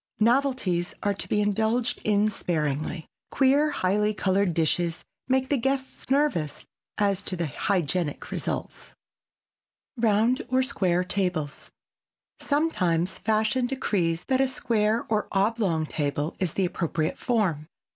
Novelties are to be indulged in sparingly. Queer highly colored dishes make the guests nervous as to the hygienic results. [Sidenote: ROUND OR SQUARE TABLES] Sometimes fashion decrees that a square or oblong table is the appropriate form.